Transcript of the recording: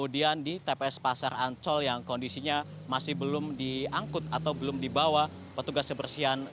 dan di tps pasar ancol yang kondisinya masih belum diangkut atau belum dibawa petugas kebersihan